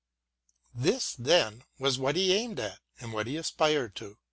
* This, thea, was what he aimed at and what he aspired to do.